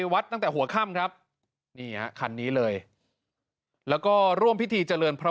วัดตั้งแต่หัวค่ำครับนี่ฮะคันนี้เลยแล้วก็ร่วมพิธีเจริญพระ